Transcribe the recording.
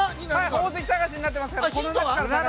◆宝石探しになっていますから。